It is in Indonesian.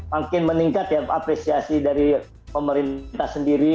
makin meningkat ya apresiasi dari pemerintah sendiri